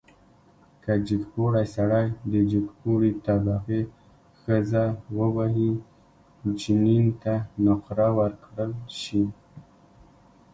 که جګپوړی سړی د جګپوړي طبقې ښځه ووهي، جنین ته نقره ورکړل شي.